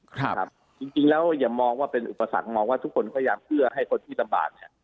ครับจริงจริงแล้วอย่ามองว่าเป็นอุปสรรคมองว่าทุกคนพยายามเอื้อให้คนที่ลำบากเนี่ย